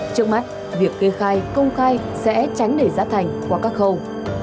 trước mắt việc kê khai công khai sẽ tránh đẩy giá thành qua các khâu